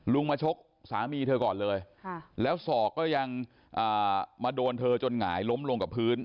มาชกสามีเธอก่อนเลยแล้วศอกก็ยังมาโดนเธอจนหงายล้มลงกับพื้น